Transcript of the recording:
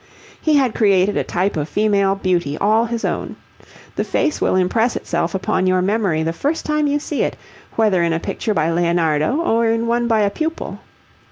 He had created a type of female beauty all his own. The face will impress itself upon your memory the first time you see it, whether in a picture by Leonardo or in one by a pupil.